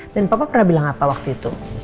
dan papa pernah bilang apa waktu itu